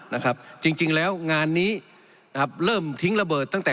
นะครับจริงจริงแล้วงานนี้นะครับเริ่มทิ้งระเบิดตั้งแต่